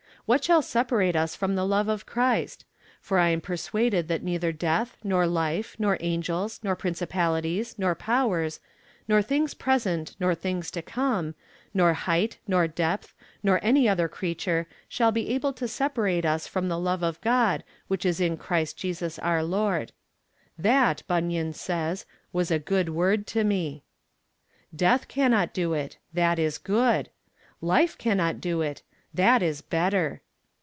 '_What shall separate us from the love of Christ? For I am persuaded that neither death, nor life, nor angels, nor principalities, nor powers, nor things present, nor things to come, nor height, nor depth, nor any other creature shall be able to separate us from the love of God which is in Christ Jesus our Lord._' 'That,' Bunyan says, 'was a good word to me.' Death cannot do it! that is good! Life cannot do it! that is better!